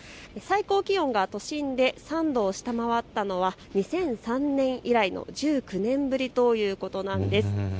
最高気温が都心で３度を下回ったのは２００３年以来の１９年ぶりということなんです。